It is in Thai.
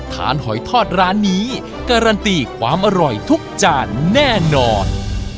หอยทอดร้านนี้การันตีความอร่อยทุกจานแน่นอน